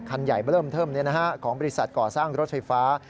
คันใหญ่เริ่มเทิมของบริษัทก่อสร้างรถไฟฟ้า